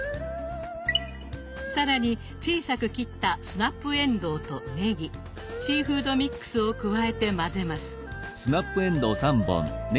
更に小さく切ったスナップえんどうとねぎシーフードミックスを加えて混ぜます。